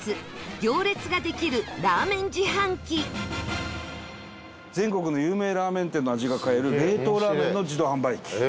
行列ができるラーメン自販機伊達：全国の有名ラーメン店の味が買える冷凍ラーメンの自動販売機。